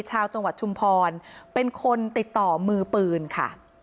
ชาวจังหวัดชุมพรเป็นคนติดต่อมือปืนค่ะ